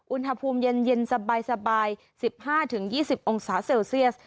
อุณหภูมิเย็นสบาย๑๕๒๐องศาเซลเซียส